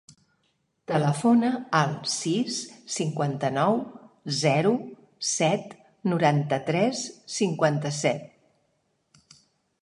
Telefona al sis, cinquanta-nou, zero, set, noranta-tres, cinquanta-set.